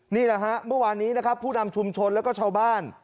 นี่แหละฮะเมื่อวานนี้นะครับผู้นำชุมชนแล้วก็ชาวบ้าน